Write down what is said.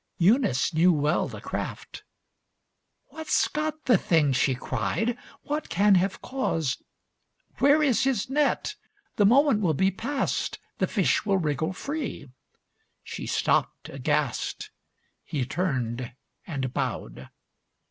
Eunice knew well the craft "What's got the thing!" She cried. "What can have caused Where is his net? The moment will be past. The fish will wriggle free." She stopped aghast. He turned and bowed.